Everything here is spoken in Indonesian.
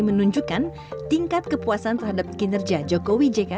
menunjukkan tingkat kepuasan terhadap kinerja jokowi jk